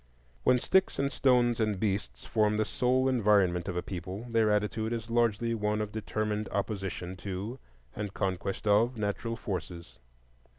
When sticks and stones and beasts form the sole environment of a people, their attitude is largely one of determined opposition to and conquest of natural forces.